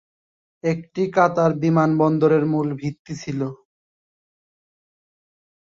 এটি কাতার বিমানবন্দরের মূল ভিত্তি ছিল।